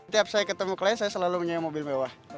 tiap saya ketemu klien saya selalu menyayang mobil mewah